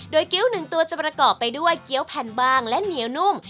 โดยเกี้ยวหนึ่งตัวจะประกอบไปด้วยเกี้ยวแผ่นบางและเหนียวนุ่ม